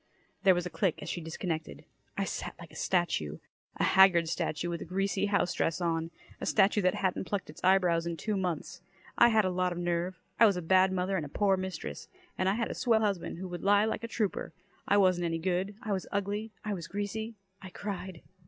There was a click as she disconnected. I sat like a statue. A haggard statue with a greasy housedress on. A statue that hadn't plucked its eyebrows in two months. I had a lot of nerve. I was a bad mother, and a poor mistress. And I had a swell husband, who could lie like a trooper. I wasn't any good, I was ugly, I was greasy. I cried.